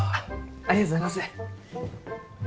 ありがとうございます。